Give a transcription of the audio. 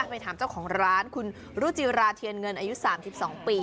ไปถามเจ้าของร้านคุณรุจิราเทียนเงินอายุ๓๒ปี